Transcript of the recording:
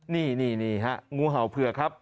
นี่ฮะงูเห่าเผือกครับ